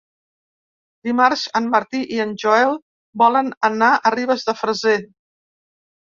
Dimarts en Martí i en Joel volen anar a Ribes de Freser.